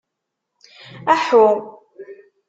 Aḥḥu!